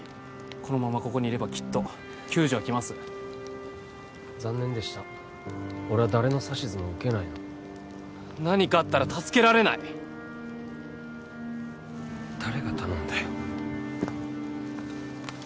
このままここにいればきっと救助が来ます残念でした俺は誰の指図も受けないの何かあったら助けられない誰が頼んだよ